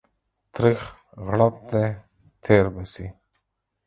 تريخ غړپ دى تير به سي.